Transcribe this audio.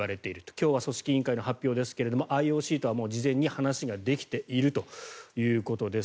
今日は組織委員会の発表ですがＩＯＣとは事前に話ができているということです。